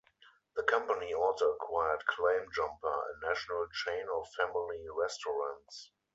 The company also acquired Claim Jumper, a national chain of family restaurants.